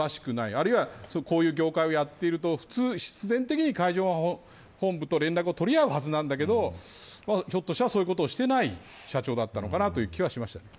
あるいはこういう業界をやっていると普通、必然的に海上保安本部と連絡を取り合うはずなんだけどひょっとしたら、そういうことをしていない社長だったのかなという気はしました。